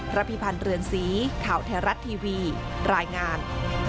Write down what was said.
พิพันธ์เรือนสีข่าวไทยรัฐทีวีรายงาน